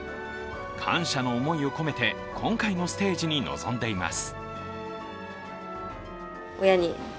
感謝の思いを込めて、今回のステージに臨んでいます。